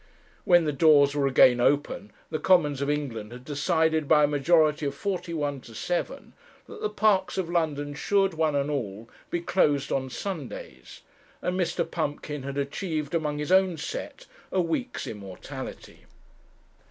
When the doors were again open the Commons of England had decided by a majority of forty one to seven that the parks of London should, one and all, be closed on Sundays; and Mr. Pumpkin had achieved among his own set a week's immortality.